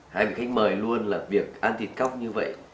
hai vị khách mời luôn là việc ăn thịt cóc như vậy